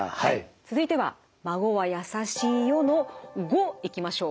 続いては「まごわやさしいよ」の「ご」いきましょう。